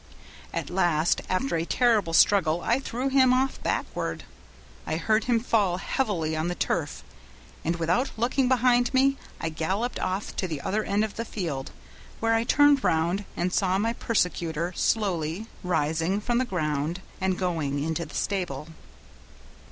At last after a terrible struggle I threw him off backward. I heard him fall heavily on the turf, and without looking behind me, I galloped off to the other end of the field; there I turned round and saw my persecutor slowly rising from the ground and going into the stable.